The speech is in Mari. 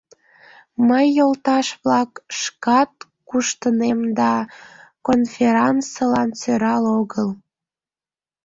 Мый, йолташ-влак, шкат куштынем да, конферансылан сӧрал огыл...